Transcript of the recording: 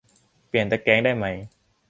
เปลี่ยนตะแกรงได้ไหมครับ